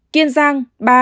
kiên giang ba